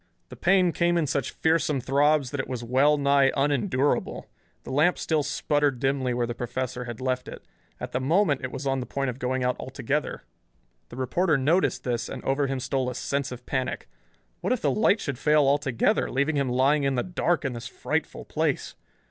The pain came in such fearsome throbs that it was well nigh unendurable. The lamp still sputtered dimly where the professor had left it. At the moment it was on the point of going out altogether. The reporter noticed this, and over him stole a sense of panic. What if the light should fail altogether, leaving him lying in the dark in this frightful place!